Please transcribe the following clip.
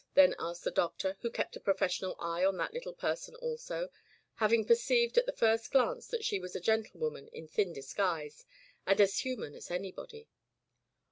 then asked the Doctor, who kept a professional eye on that little person also, having per ceived at the first glance that she was a gentle woman in thin disguise and as human as anybody.